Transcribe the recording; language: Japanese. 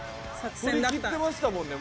振り切ってましたもんね